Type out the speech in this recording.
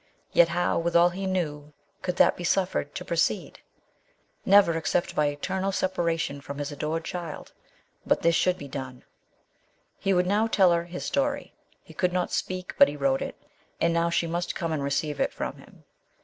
Yet how, with all he knew, could that be suffered to proceed ? Never, except by eternal separation from his adored child ; but this should be done. He would now tell her his story. He could not speak, but he wrote it, and now she must come and receive it from him.